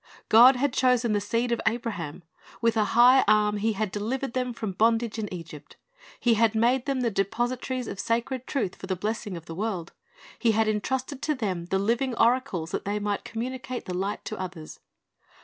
God had chosen the seed of Abraham. With a high arm He had delix ered them from bondage in Egypt. He had made them the depositaries of sacred truth for the blesging of the world. He had entrusted to them the living oracles that they might communicate the light to others.